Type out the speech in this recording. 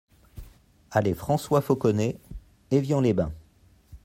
Allée Francois Fauconnet, Évian-les-Bains